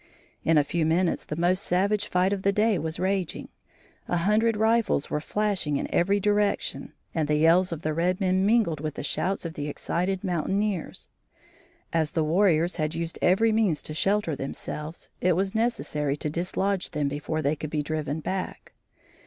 In a few minutes the most savage fight of the day was raging. A hundred rifles were flashing in every direction and the yells of the red men mingled with the shouts of the excited mountaineers. As the warriors had used every means to shelter themselves, it was necessary to dislodge them before they could be driven back.